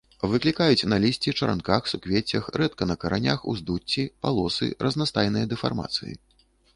Выклікаюць на лісці, чаранках, суквеццях, рэдка на каранях уздуцці, палосы, разнастайныя дэфармацыі.